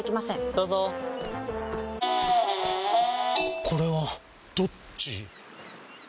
どうぞこれはどっち？